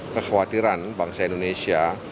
kekhawatiran bangsa indonesia